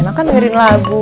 enak kan dengerin lagu